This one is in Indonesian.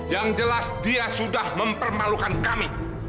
yang jelas dia sudah mempermalukan kami